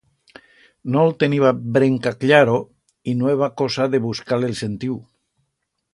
No'l teniba brenca cllaro, y no eba cosa de buscar-le el sentiu.